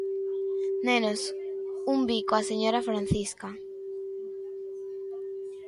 Nenos, un bico á señora Francisca.